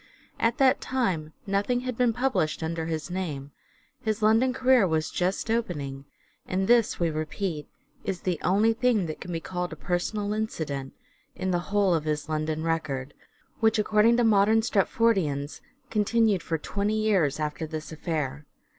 At that time nothing had been published under his name, his London career was just opening, and this we repeat, is the only thing that can be called a personal incident in the whole of his London record, which according to modern Stratfordians continued for twenty years after this affair.